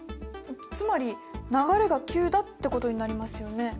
つまり流れが急だってことになりますよね。